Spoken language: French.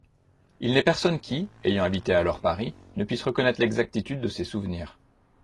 Il n'est personne qui, ayant habité alors Paris, ne puisse reconnaître l'exactitude de ces souvenirs.